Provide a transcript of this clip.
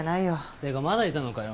ってかまだいたのかよ。